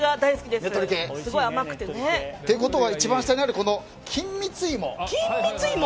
すごい甘くて。ということは一番下にある金蜜芋。